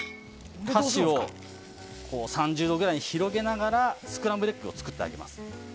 箸を３０度ぐらいに広げながらスクランブルエッグを作ってあげます。